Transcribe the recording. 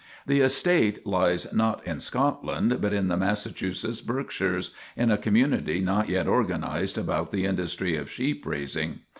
The estate lies not in Scotland, but in the Massachusetts Berkshires, in a community not yet organized about the industry of sheep raising.